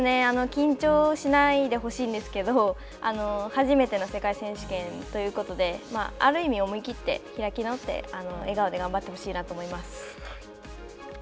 緊張しないでほしいんですけど、初めての世界選手権ということで、ある意味思い切って、開き直って、笑顔で頑張ってほしいと思います。